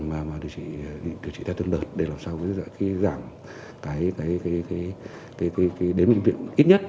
mà điều trị theo tuần đợt để làm sao giảm đến bệnh viện ít nhất